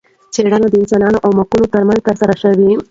څېړنه د انسانانو او موږکانو ترمنځ ترسره شوه.